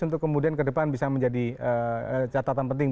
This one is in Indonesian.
untuk kemudian ke depan bisa menjadi catatan penting